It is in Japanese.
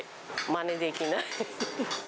まねできない。